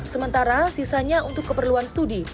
sementara sisanya untuk keperluan studi